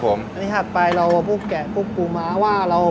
พอมันหากไปเดี๋ยวเราพูดแกะคูม้างานว่า